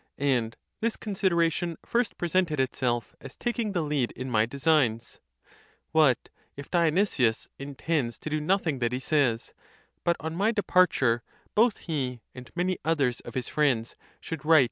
And this consideration first presented itself as taking the lead in my designs. What, if Dionysius intends to do nothing that he says, but on my departure both he and many others of his friends should write!